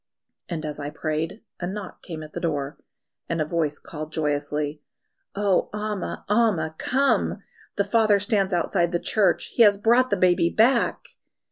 And as I prayed, a knock came at the door, and a voice called joyously, "Oh, Amma! Amma! Come! The father stands outside the church; he has brought the baby back!"